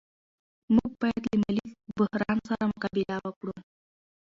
موږ باید له مالي بحران سره مقابله وکړو.